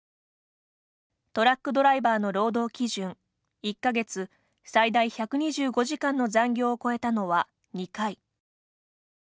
トラックドライバーの労働基準「１か月最大１２５時間の残業」を超えたのは２回。